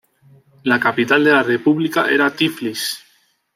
La capital de la república era Tiflis.